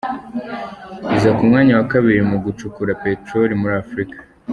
Iza ku mwanya wa kabiri mu gucukura peteroli muri Afurika.